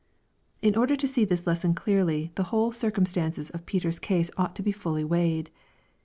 In order to see this lesson clearly, the whole circum stances of Peter's case ought to be fully weighed.